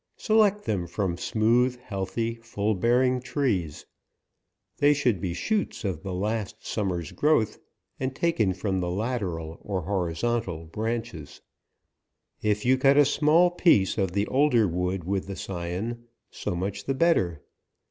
Select them from smooth, healthy, full bearing trees ; they should be shoots of the last summer's growth, and taken from the lateral, or horizontal branches. If you cut a small piece of the older wood with the scion, so much the better.